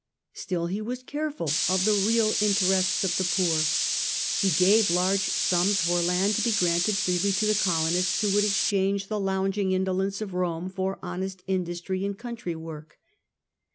Still he was careful of the real interests of the poor ; he gave large sums for land to be granted freely to the colonists who would exchange the lounging indolence of Rome for honest industry in country work.